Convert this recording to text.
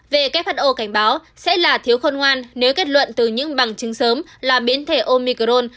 who cảnh báo sẽ là thiếu khôn ngoan nếu kết luận từ những bằng chứng sớm là biến thể omicron